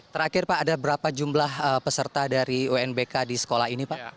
terakhir pak ada berapa jumlah peserta dari unbk di sekolah ini pak